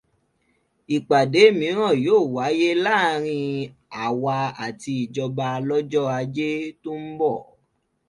Ìpádé míràn yóò wáyé láàárín àwa àti ìjọba lọ́jọ́ ajé tí ó ń bọ̀.